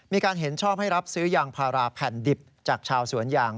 เห็นชอบให้รับซื้อยางพาราแผ่นดิบจากชาวสวนยาง